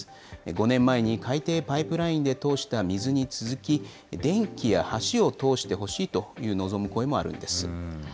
５年前に海底パイプラインで通した水に続き、電気や橋を通してほしいと望む声もあるんです。